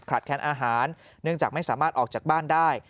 แคนอาหารเนื่องจากไม่สามารถออกจากบ้านได้